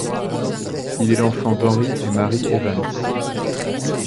Il est l'enfant d'Henry et Mary Evans.